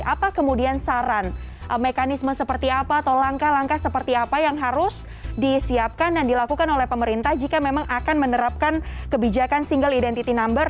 apa kemudian saran mekanisme seperti apa atau langkah langkah seperti apa yang harus disiapkan dan dilakukan oleh pemerintah jika memang akan menerapkan kebijakan single identity number